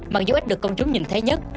mặc dù ít được công chúng nhìn thấy nhất